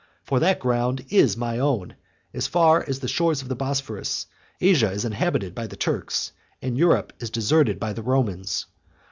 For that ground is my own: as far as the shores of the Bosphorus, Asia is inhabited by the Turks, and Europe is deserted by the Romans.